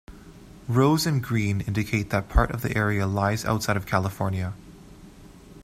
Rows in green indicate that part of the area lies outside of California.